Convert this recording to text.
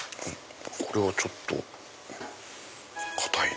これはちょっと硬い。